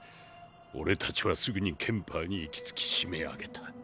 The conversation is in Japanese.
俺たちはすぐにケンパーに行き着き締め上げた。